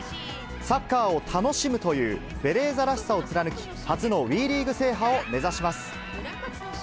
サッカーを楽しむというベレーザらしさを貫き、初のＷＥリーグ制覇を目指します。